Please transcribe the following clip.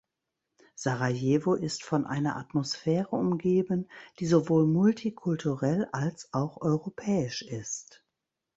Sarajevo ist von einer Atmosphäre umgeben, die sowohl multikulturell als auch europäisch ist.